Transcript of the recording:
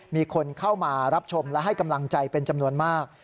มีคนเข้ามารับชมและให้กำลังใจเป็นจำนวนมาก